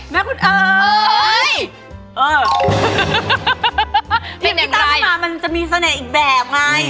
เป็นกริต้าขึ้นมามันจะมีเส้นแรกอีกแบบไง